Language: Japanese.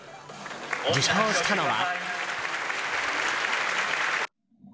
受賞したのは。